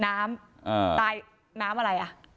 น้ำตายน้ำอะไรอ่ะ